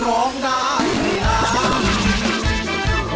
ร้องได้ให้ล้าน